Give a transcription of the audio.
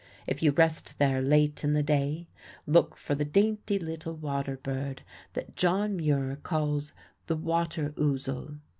If you rest there late in the day look for the dainty little water bird that John Muir calls the "water ouzel."